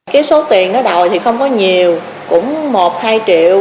cái số tiền đó đòi thì không có nhiều cũng một hai triệu